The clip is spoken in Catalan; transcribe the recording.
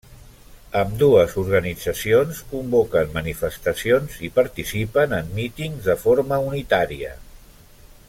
Ambdues organitzacions convoquen manifestacions i participen en mítings de forma unitària.